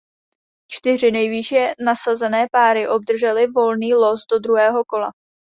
Čtyři nejvýše nasazené páry obdržely volný los do druhého kola.